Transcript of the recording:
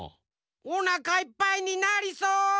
おなかいっぱいになりそう。